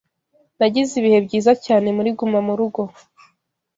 Nagize ibihe byiza cyane muri gumamurugo.